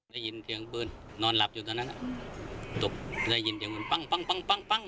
ได้ยินเสียงปืนนอนหลับอยู่ตอนนั้นตกได้ยินเสียงปืนปั้ง